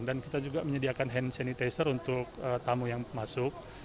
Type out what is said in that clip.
kita juga menyediakan hand sanitizer untuk tamu yang masuk